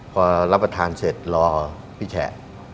พอรับประทานเสร็จรอพี่แฉะ